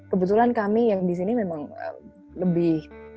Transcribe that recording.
kebetulan kami yang di sini memang lebih